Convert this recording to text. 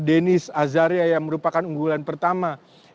denis azaria yang merupakan unggulan pertama